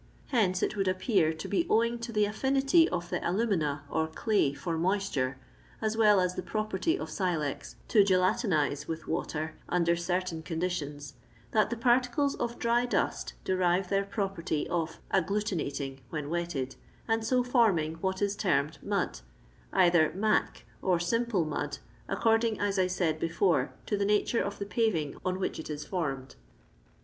Hence it would appear to be owing to the affinity of the alumina or clay for moisture, as well as the property of silez to "gelatinize" with water under certain conditions, that the partides of dry dust derive their property of agglvHnaUng, when wetted, and so forming what is termed " mud "— either " mac," or simple mud, according, as I said before, to the nature of the paving on which it is formed.